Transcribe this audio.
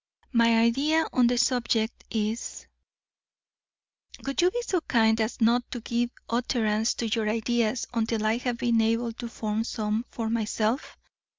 My idea on the subject is " "Would you be so kind as not to give utterance to your ideas until I have been able to form some for myself?"